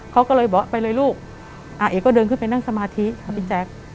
เขาก็เลยบอกไปเลยลูกอ่าเอกก็เดินขึ้นไปนั่งสมาธิครับพี่แจ๊ค